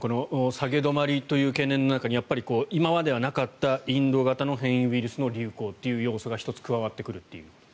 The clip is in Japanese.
下げ止まりという懸念の中に今まではなかったインド型の変異ウイルスの流行という要素が１つ加わってくるという。